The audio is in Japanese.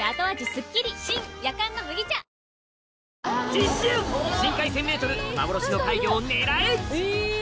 次週深海１０００ｍ幻の怪魚を狙え！